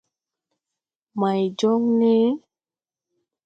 May jɔŋ ne?